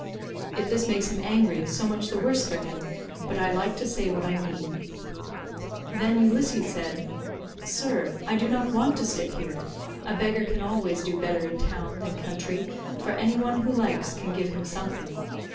If this makes him angry so much the worse for him, but I like to say what I mean." Then Ulysses said, "Sir, I do not want to stay here; a beggar can always do better in town than country, for any one who likes can give him something.